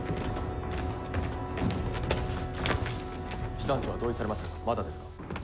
師団長は同意されましたかまだですか。